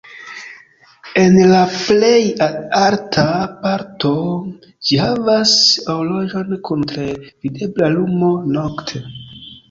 En la plej alta parto ĝi havas horloĝon kun tre videbla lumo nokte.